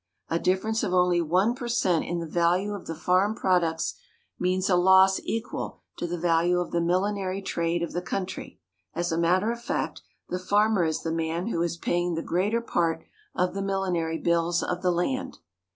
A difference of only one per cent in the value of the farm products means a loss equal to the value of the millinery trade of the country. As a matter of fact, the farmer is the man who is paying the greater part of the millinery bills of the land.